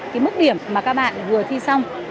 cái mức điểm mà các bạn vừa thi xong